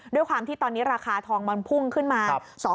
ด้วยความที่ตอนนี้ราคาทองมันพุ่งขึ้นมา